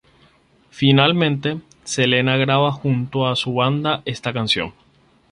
Finalmente, Selena graba junto a su banda esta canción.